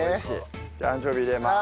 アンチョビ入れます。